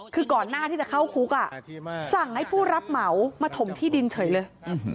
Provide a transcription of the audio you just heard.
คือก่อนหน้าที่จะเข้าคุกสั่งให้ผู้รับเหมามาถมที่ดินเฉยเลย